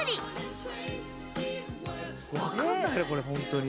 「わかんないねこれホントに。